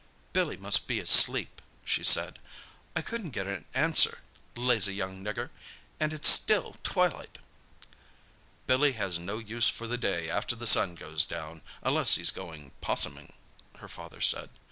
"Billy must be asleep," she said. "I couldn't get an answer. Lazy young nigger—and it's still twilight!" "Billy has no use for the day after the sun goes down, unless he's going 'possuming," her father said.